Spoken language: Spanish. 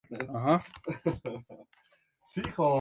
Es uno de los minerales de uranio más comunes.